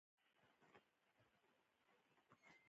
هلته قبیلوي شخړې روانې وي.